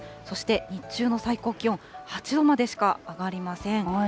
そして日中の最高気温８度までしか上がりません。